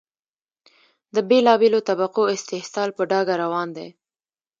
د بېلا بېلو طبقو استحصال په ډاګه روان دی.